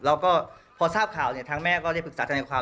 แล้วก็พอทราบข่าวทางแม่ก็เรียกฝึกษาธนายความ